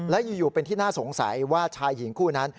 และอยู่เป็นที่น่าสงสัยว่าชายหญิงคู่นั้น